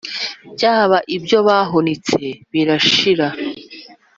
barya ibyo bahunitse birashira;